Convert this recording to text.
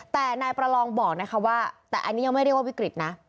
แต่นายประลองบอกนะคะว่าแต่อันนี้ยังไม่เรียกว่าวิกฤตนะ